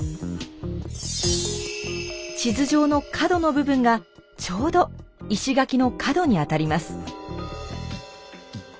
地図上の角の部分がちょうど石垣の角にあたります。